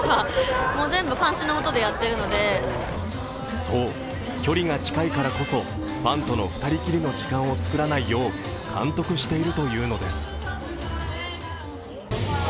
そう、距離が近いからこそファンとの２人きりの時間を作らないよう監督しているというのです。